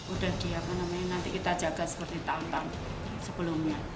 udah di apa namanya nanti kita jaga seperti tahun tahun sebelumnya